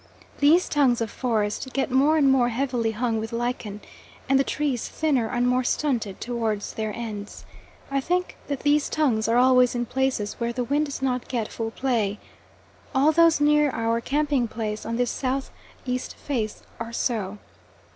These tongues of forest get more and more heavily hung with lichen, and the trees thinner and more stunted, towards their ends. I think that these tongues are always in places where the wind does not get full play. All those near our camping place on this south east face are so.